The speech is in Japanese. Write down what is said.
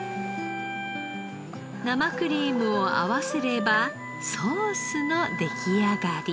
生クリームを合わせればソースの出来上がり。